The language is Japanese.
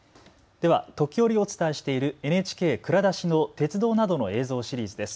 では時折お伝えしているＮＨＫ蔵出しの鉄道などの映像シリーズです。